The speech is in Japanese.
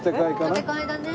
建て替えだね。